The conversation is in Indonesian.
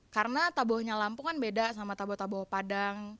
karena tabohnya lampung kan beda sama taboh taboh padang